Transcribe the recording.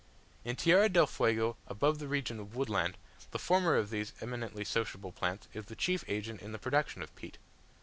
In Tierra del Fuego, above the region of woodland, the former of these eminently sociable plants is the chief agent in the production of peat.